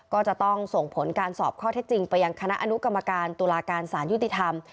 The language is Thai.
ก็จะต้องส่งผลการสอบข้อเท็จจริงไปยังคณะอนุกรรมการตุลาการสารยุติธรรม